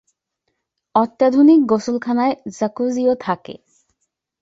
অত্যাধুনিক গোসলখানায় জাকুজি-ও থাকে।